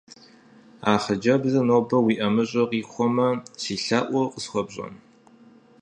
А хъыджэбзыр нобэ уи ӀэмыщӀэ къихуэмэ, си лъэӀур къысхуэпщӀэн?